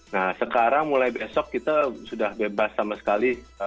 nah sekarang mulai besok kita sudah bebas sama sekali